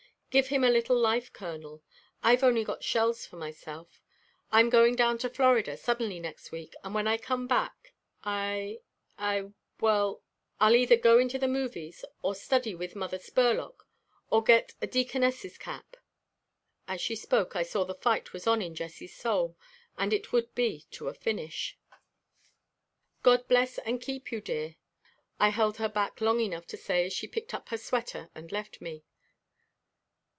Give him a little life kernel; I've only got shells for myself. I'm going down to Florida suddenly next week and when I come back I I, well, I'll either go into the movies or study with Mother Spurlock to get a deaconess' cap." As she spoke I saw that the fight was on in Jessie's soul, and it would be to a finish. "God bless and keep you, dear," I held her back long enough to say as she picked up her sweater and left me.